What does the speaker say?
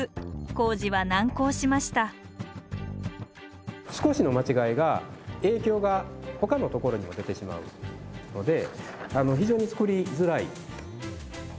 工事は難航しました少しの間違いが影響がほかのところにも出てしまうので非常につくりづらい。